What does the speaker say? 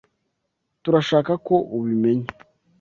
Turashaka ko ubimenya.